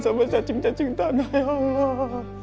sama cacing cacing tangan ya allah